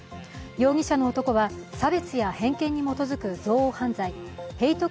容疑者の男は差別や偏見に基づく憎悪犯罪ヘイト